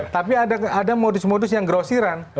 tapi ada modus modus yang grosiran